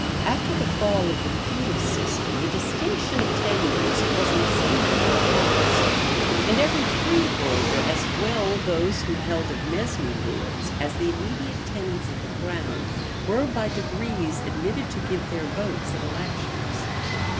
After the fall of the feudal system, the distinction of tenures was in some measure lost; and every freeholder, as well those who held of mesne lords, as the immediate tenants of the crown, were by degrees admitted to give their votes at elections.